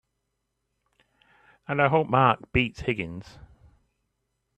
And I hope Mark beats Higgins!